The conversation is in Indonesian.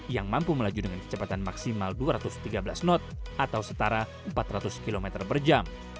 yang mampu melaju dengan kecepatan maksimal dua ratus tiga belas knot atau setara empat ratus km per jam